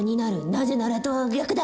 「なぜなら」とは逆だ。